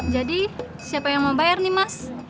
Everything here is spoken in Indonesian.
jadi siapa yang mau bayar nih mas